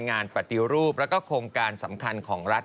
งานปฏิรูปแล้วก็โครงการสำคัญของรัฐ